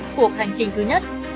kết thúc cuộc hành trình thứ nhất